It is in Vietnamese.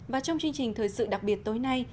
và trong chương trình thời sự đặc biệt tối nay